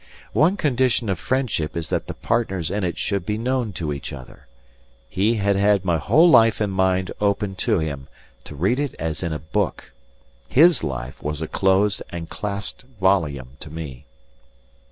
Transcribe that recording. One condition of friendship is that the partners in it should be known to each other. He had had my whole life and mind open to him, to read it as in a book. HIS life was a closed and clasped volume to me.